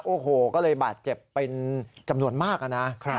โอ้โหก็เลยบาดเจ็บเป็นจำนวนมากนะ